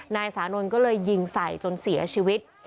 นายสานนท์ก็เลยยิงใส่จนเสียชีวิต